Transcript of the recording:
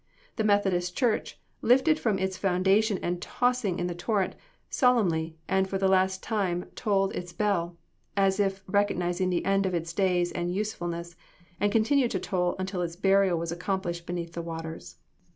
The Methodist church, lifted from its foundation and tossing on the torrent, solemnly, and for the last time tolled its bell, as if recognizing the end of its days and usefulness; and continued to toll until its burial was accomplished beneath the waters.